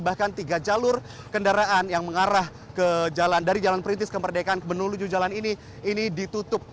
bahkan tiga jalur kendaraan yang mengarah ke jalan dari jalan pritis ke merdekan menuju jalan ini ditutup